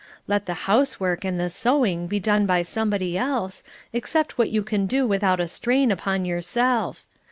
Let the housework and the sewing be done by somebody else, except what you can do without a strain upon yourself.